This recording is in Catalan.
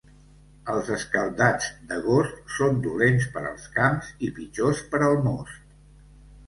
Els escaldats d'agost són dolents per als camps i pitjors per al most.